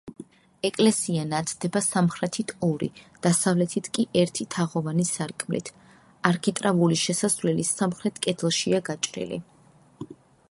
ეკლესია ნათდება სამხრეთით ორი, დასავლეთით კი ერთი თაღოვანი სარკმლით; არქიტრავული შესასვლელი სამხრეთ კედელშია გაჭრილი.